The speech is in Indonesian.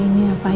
aduh ya allah